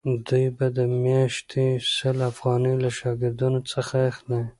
دوی به د میاشتې سل افغانۍ له شاګردانو څخه اخلي.